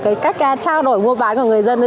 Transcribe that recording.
cái cách trao đổi mua bán của người dân